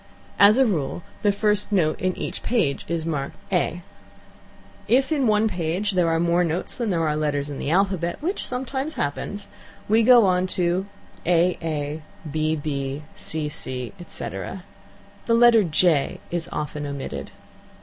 As a rule the first note in each page is marked (a) or ^{a}. If in one page there are more notes than there are letters in the alphabet (which sometimes happens), we go to (aa), (bb), (cc), &c., ^{aa} ^{bb} ^{cc}. The letter "j" is often omitted.